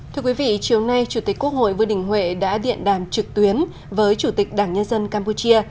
thưa quý vị chiều nay chủ tịch quốc hội vương đình huệ đã điện đàm trực tuyến với chủ tịch đảng nhân dân campuchia